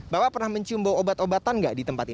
bapak pernah mencium bau obat obatan nggak di tempat ini